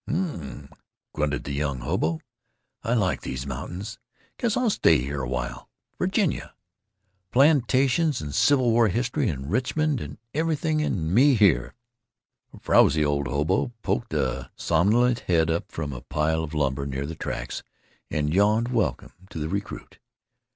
"Hm!" grunted the young hobo. "I like these mountains. Guess I'll stay here awhile.... Virginia! Plantations and Civil War history and Richmond and everything, and me here!" A frowzy old hobo poked a somnolent head up from a pile of lumber near the tracks and yawned welcome to the recruit.